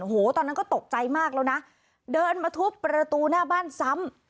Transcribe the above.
ตอนนั้นก็ตกใจมากแล้วนะเดินมาทุบประตูหน้าบ้านซ้ำ